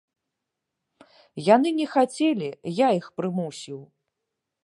Яны не хацелі, я іх прымусіў!